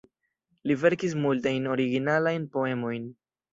Li verkis multajn originalajn poemojn.